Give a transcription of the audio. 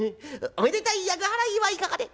おめでたい厄払いはいかがで？